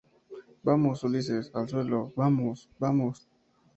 ¡ vamos! Ulises, al suelo, vamos. ¡ vamos!